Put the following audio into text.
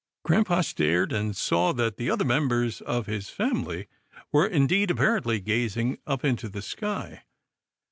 Grampa stared, and saw that the other members of his family were indeed apparently gazing up into the sky.